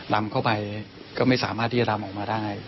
ลำเข้าไปก็ไม่สามารถที่จะดำออกมาได้